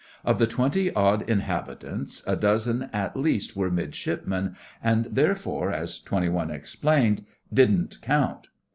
Of the twenty odd inhabitants, a dozen at least were Midshipmen, and therefore, as Twenty One explained, 'didn't count.